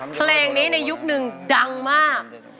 เพลงนี้ในยุคนึงดังมาก